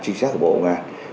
chính xác của bộ công an